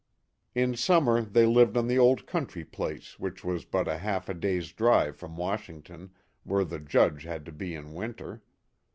In summer they lived on the old country place which was but half a day's drive from Washington, where the Judge had to be in winter.